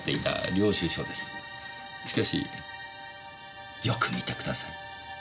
しかしよく見てください。